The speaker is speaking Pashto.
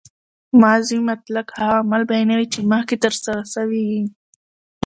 ماضي مطلق هغه عمل بیانوي، چي مخکښي ترسره سوی يي.